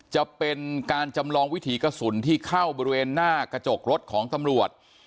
จะเป็นการจำลองวิถีกระสุนที่เข้าบริเวณหน้ากระจกรถของตำรวจ